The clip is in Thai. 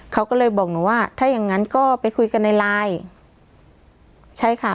เขาก็เลยบอกหนูว่าถ้าอย่างงั้นก็ไปคุยกันในไลน์ใช่ค่ะ